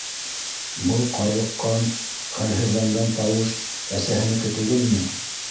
Был ҡарлыҡҡан, хәлһеҙләнгән тауыш әсәһенеке түгелме?